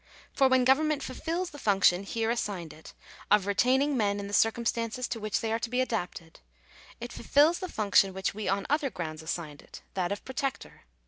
For when government fulfils the function here assigned it, of retaining Digitized by VjOOQIC THE LIMIT OF STATE DUTY. 283 men in the circumstances to which they are to be adapted, it fulfils the function which we on other grounds assigned it — that of protector.